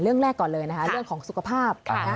เรื่องแรกก่อนเลยนะคะเรื่องของสุขภาพ